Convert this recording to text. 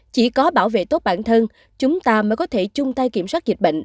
chỉ có bảo vệ tốt bản thân chúng ta mới có thể chung tay kiểm soát dịch bệnh